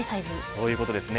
そういうことですね。